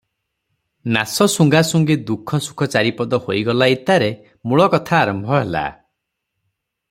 ନାସ ଶୁଙ୍ଗାଶୁଙ୍ଗି ଦୁଃଖ ସୁଖ ଚାରି ପଦ ହୋଇଗଲା ଇତ୍ତାରେ ମୂଳକଥା ଆରମ୍ଭ ହେଲା ।